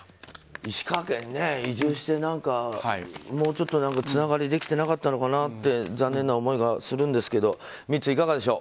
石川県ね、移住してもうちょっとつながりができてなかったのかなって残念な思いがするんですけどミッツ、いかがでしょう。